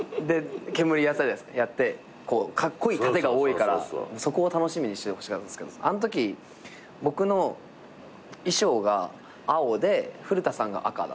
で『けむり』やってカッコイイ殺陣が多いからそこを楽しみにしてほしかったんですけどあんとき僕の衣装が青で古田さんが赤だったんですよ。